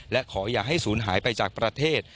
และขออย่าให้ศูนย์หายไปจากประเทศ